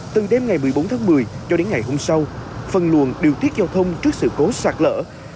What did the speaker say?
từ đêm ngày một mươi bốn tháng một mươi cho đến ngày hôm sau phân luận điều thiết giao thông trước sự cố sạt lỡ